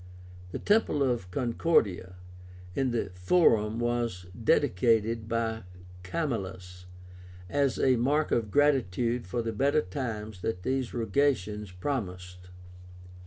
The temple of CONCORDIA in the Forum was dedicated by Camillus as a mark of gratitude for the better times that these rogations promised.